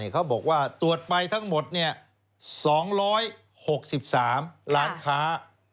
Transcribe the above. เขาบอกว่าตรวจไปทั้งหมด๒๖๓ล้านค้า